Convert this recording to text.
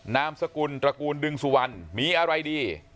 นามสกุลตระกูลดึงสุวรรณมีอะไรดี